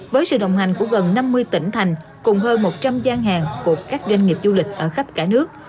với sự đồng hành của gần năm mươi tỉnh thành cùng hơn một trăm linh gian hàng của các doanh nghiệp du lịch ở khắp cả nước